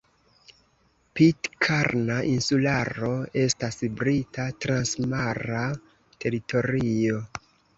Pitkarna Insularo estas Brita transmara teritorio.